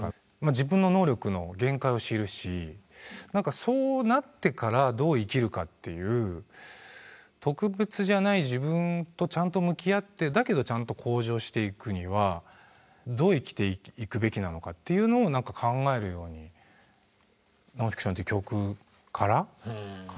自分の能力の限界を知るし何かそうなってからどう生きるかっていう特別じゃない自分とちゃんと向き合ってだけどちゃんと向上していくにはどう生きていくべきなのかっていうのを何か考えるように「ノンフィクション」っていう曲から考えるようになった気はします。